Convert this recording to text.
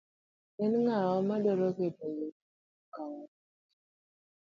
En ng'awa madwaro keto ng'ima ne okang' marach.